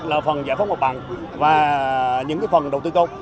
là phần giải phóng một bằng và những cái phần đầu tư công